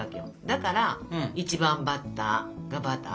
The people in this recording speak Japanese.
だから１番バッターがバター。